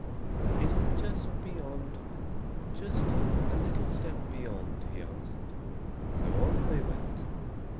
"It is just beyond, just a little step beyond," he answered. So on they went.